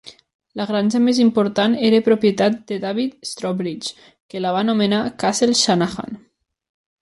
La granja més important era propietat de David Strawbridge, que la va anomenar Castle Shanahan.